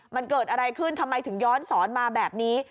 มันเกิดอะไรขึ้นทำไมถึงย้อนสอนมาแบบนี้